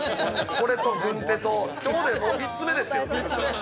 これと軍手と、今日で３つ目ですよ。